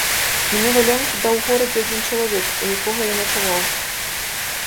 Мне валёнкі даў у горадзе адзін чалавек, у якога я начаваў.